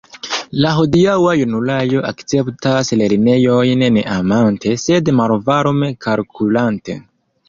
La hodiaŭa junularo akceptas lernejojn ne amante, sed malvarme kalkulante.